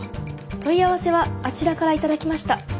問い合わせはあちらから頂きました。